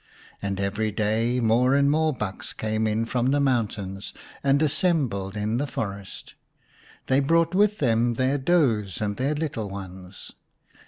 And every day more and more bucks came in from the mountains, and assembled in the forest. They brought with them their does and their little ones.